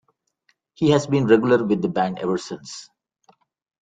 He's been a regular with the band ever since.